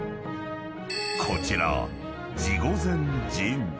［こちら］